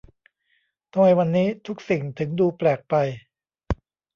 ทำไมวันนี้ทุกสิ่งถึงดูแปลกไป !